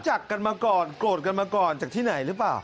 จากกันมาก่อนโกรธกันมาก่อนจากที่ไหนหรือเปล่า